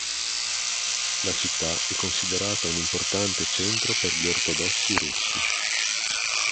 La città è considerata un importante centro per gli ortodossi russi.